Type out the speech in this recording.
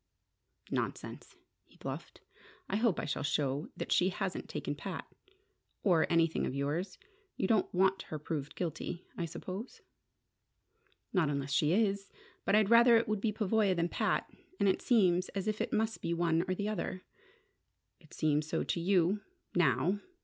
"Nonsense," he bluffed. "I hope I shall show that she hasn't taken Pat or anything of yours. You don't want her proved guilty, I suppose?" "Not unless she is. But I'd rather it would be Pavoya than Pat. And it seems as if it must be one or the other." "It seems so to you now.